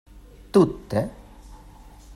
Tute?